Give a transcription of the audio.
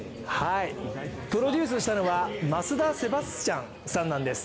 プロデュースしたのは増田セバスチャンさんなんです。